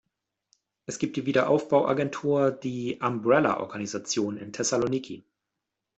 Es gibt die Wiederaufbau-Agentur, die Umbrella-Organisation in Thessaloniki.